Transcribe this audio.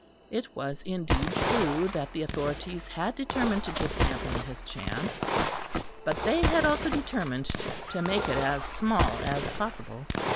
It was indeed true that the authorities had determined to give Campion his chance, but they had also determined to make it as small as possible.